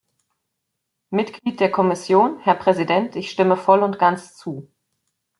Mitglied der Kommission. Herr Präsident, ich stimme voll und ganz zu.